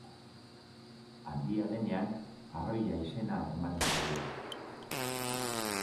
Handia denean, arroila izena ematen zaio.